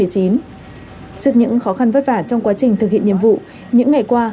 trước những khó khăn vất vả trong quá trình thực hiện nhiệm vụ những ngày qua